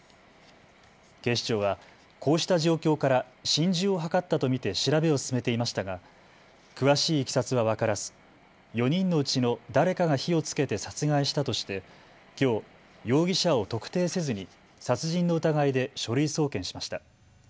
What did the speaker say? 警視庁はこうした状況から心中を図ったと見て調べを進めていましたが、詳しいいきさつは分からず４人のうちの誰かが火をつけて殺害したとして、きょう容疑者を特定せずに殺人の疑いで書類送検しました。